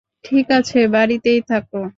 ঠিক আছে, বাড়িতেই থাকো।